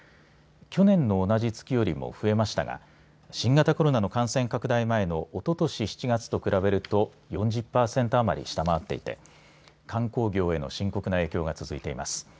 去年の同じ月よりも増えましたが新型コロナの感染拡大前のおととし７月と比べると４０％余り下回っていて観光業への深刻な影響が続いています。